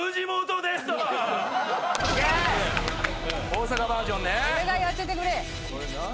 大阪バージョンね。